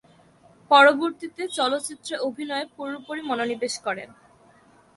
পরবর্তীতে চলচ্চিত্রে অভিনয়ে পুরোপুরি মনোনিবেশ করেন।